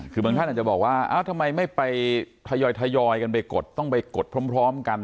คือบางท่านอาจจะบอกว่าทำไมไม่ไปทยอยกันไปกดต้องไปกดพร้อมกัน